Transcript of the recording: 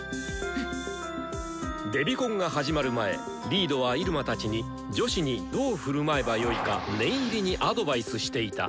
デビコンが始まる前リードは入間たちに女子にどう振る舞えばよいか念入りにアドバイスしていた。